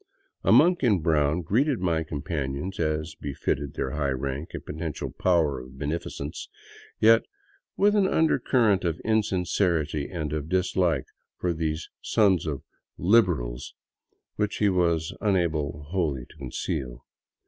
A monk in brown greeted my companions as befitted their high rank and potential power of beneficence ; yet with an undercurrent of insincerity and of dislike for these sons of " Liberals," which he was unable wholly to conceal.